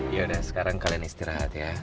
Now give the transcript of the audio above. yaudah sekarang kalian istirahat ya